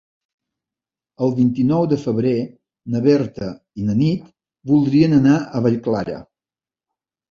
El vint-i-nou de febrer na Berta i na Nit voldrien anar a Vallclara.